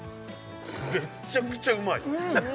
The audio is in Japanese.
めっちゃくちゃうまい！